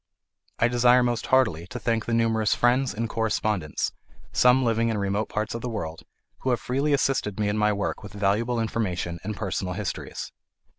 I desire most heartily to thank the numerous friends and correspondents, some living in remote parts of the world, who have freely assisted me in my work with valuable information and personal histories.